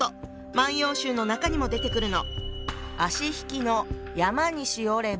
「万葉集」の中にも出てくるの。